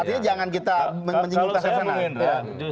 artinya jangan kita menyinggungkan kesanan